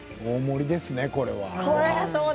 大盛りですね、これは。